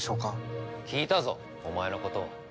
聞いたぞお前のこと。